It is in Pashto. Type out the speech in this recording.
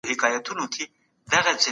کلینیکونو ته نوې سپارښتنې وړاندې کېږي.